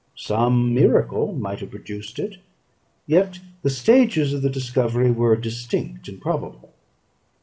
Some miracle might have produced it, yet the stages of the discovery were distinct and probable.